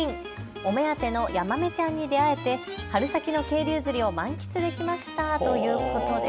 お目当てのヤマメちゃんに出会えて春先の渓流釣りを満喫できましたということです。